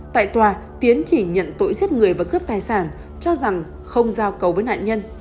tại tòa tiến chỉ nhận tội giết người và cướp tài sản cho rằng không giao cầu với nạn nhân